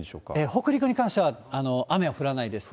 北陸に関しては雨は降らないです。